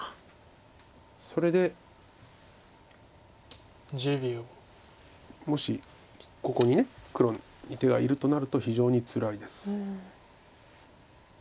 それでもしここに黒に手がいるとなると非常につらいです。